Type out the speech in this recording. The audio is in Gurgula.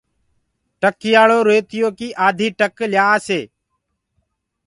ٽڪيآݪِو ريتيو ڪي آڌي ٽڪ ليآسي